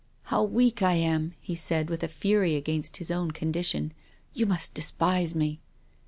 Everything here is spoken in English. " How weak 1 am," he said, with a fury against his own condition, "you must despise me."